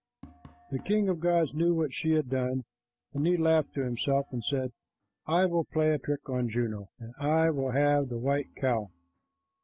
The king of the gods knew what she had done, and he laughed to himself and said, "I will play a trick on Juno, and I will have the white cow."